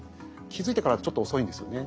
気付いてからだとちょっと遅いんですよね。